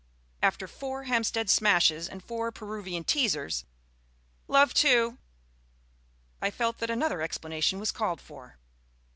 After four Hampstead Smashes and four Peruvian Teasers (love, two) I felt that another explanation was called for.